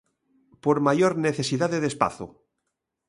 Por maior necesidade de espazo.